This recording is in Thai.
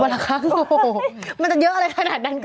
ละครั้งโอ้โหมันจะเยอะอะไรขนาดนั้นก็